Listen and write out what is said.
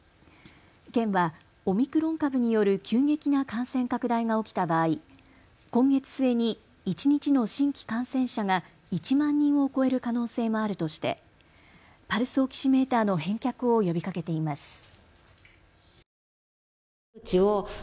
県はオミクロン株による急激な感染拡大が起きた場合、今月末に一日の新規感染者が１万人を超える可能性もあるとしてパルスオキシメーターの返却を呼びかけています。